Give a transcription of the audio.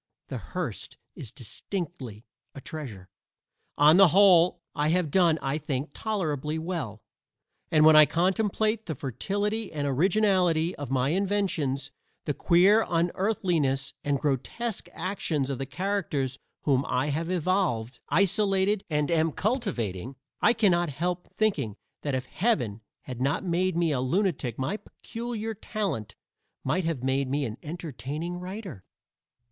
The Hearst is distinctly a treasure. On the whole, I have done, I think, tolerably well, and when I contemplate the fertility and originality of my inventions, the queer unearthliness and grotesque actions of the characters whom I have evolved, isolated and am cultivating, I cannot help thinking that if Heaven had not made me a lunatic my peculiar talent might have made me an entertaining writer.